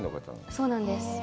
そうなんです。